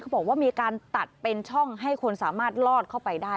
บอกว่ามีการตัดเป็นช่องให้คนสามารถลอดเข้าไปได้